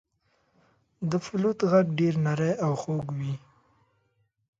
• د فلوت ږغ ډېر نری او خوږ وي.